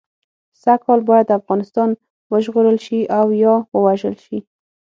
سږ کال باید افغانستان وژغورل شي او یا ووژل شي.